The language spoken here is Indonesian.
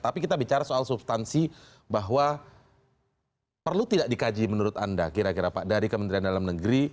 tapi kita bicara soal substansi bahwa perlu tidak dikaji menurut anda kira kira pak dari kementerian dalam negeri